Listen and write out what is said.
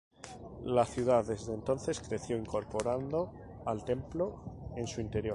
La ciudad desde entonces creció, incorporando al templo en su interior.